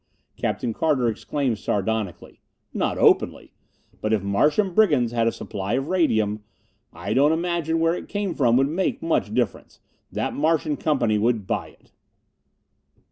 Captain Carter exclaimed sardonically. "Not openly! But if Martian brigands had a supply of radium I don't imagine where it came from would make much difference. That Martian Company would buy it."